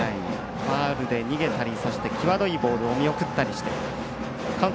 ファウルで逃げたり際どいボールを見送ったり。